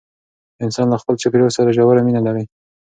انسان له خپل چاپیریال سره ژوره مینه لري.